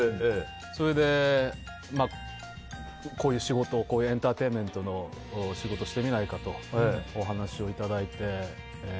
それで、こういう仕事エンターテインメントの仕事をしてみないかとお話をいただいて。